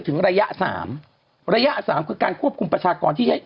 ถึงระยะ๓ระยะ๓คือการควบคุมประชากรที่